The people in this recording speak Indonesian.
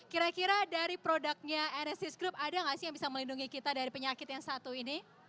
kira kira dari produknya nsis group ada nggak sih yang bisa melindungi kita dari penyakit yang satu ini